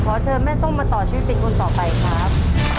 ขอเชิญแม่ส้มมาต่อชีวิตเป็นคนต่อไปครับ